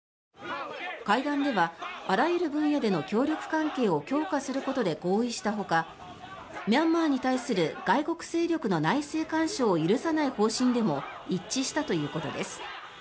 会談ではあらゆる分野での協力関係を強化することで合意したほかミャンマーに対する外国勢力の内政干渉を許さない方針でも一致したということです。